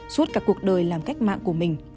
suốt cả cuộc đời làm cách mạng của mình